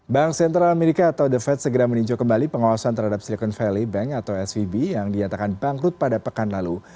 bank sentral amerika atau the fed segera meninjau kembali pengawasan terhadap silicon valley bank atau svb yang dinyatakan bangkrut pada pekan lalu